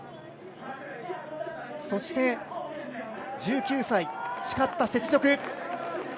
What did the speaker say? そして、１９歳、誓った雪辱。